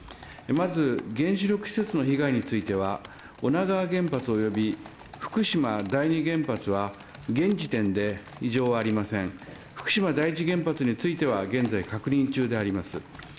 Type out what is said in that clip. まず、原子力施設の被害については、女川原発および福島第２原発は現時点で異常ありません、福島第１原発については現在確認中であります。